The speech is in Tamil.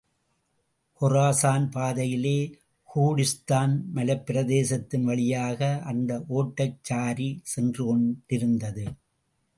கொரசான் பாதையிலே, கூர்டிஸ்தான் மலைப்பிரதேசத்தின் வழியாக அந்த ஒட்டச்சாரி சென்று கொண்டிருந்தது.